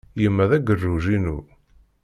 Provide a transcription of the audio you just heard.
Yemma d agerruj-inu.